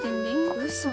うそ。